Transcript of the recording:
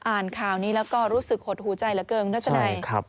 อ่านข่าวนี้แล้วก็รู้สึกหดหูใจเหลือเกินทัศนัย